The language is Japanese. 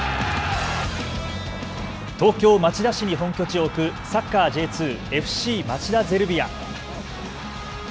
東京町田市に本拠地を置くサッカーＪ２、ＦＣ町田ゼルビア。